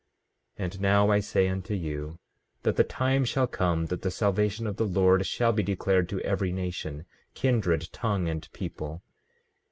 15:28 And now I say unto you that the time shall come that the salvation of the Lord shall be declared to every nation, kindred, tongue, and people.